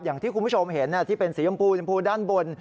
อย่างที่คุณผู้ชมเห็นที่เป็นสีชมพูชมพูด้านบน